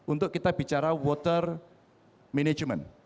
untuk kita bicara water management